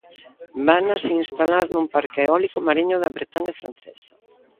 Vanas instalar nun parque eólico mariño da Bretaña francesa.